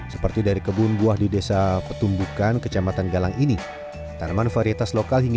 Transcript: seperti dari kebun buah di desa petumbukan kecemasan dan kebun di jalan jalan jalan